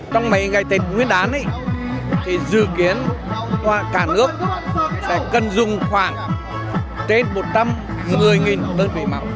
trong mấy ngày tết nguyên đán thì dự kiến cả nước sẽ cần dùng khoảng trên một trăm một mươi đơn vị máu